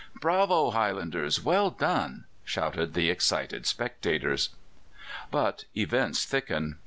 'Bravo, Highlanders! well done!' shout the excited spectators. "But events thicken.